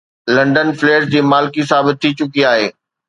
London flats جي مالڪي ثابت ٿي چڪي آهي.